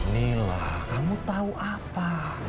nih lah kamu tau apa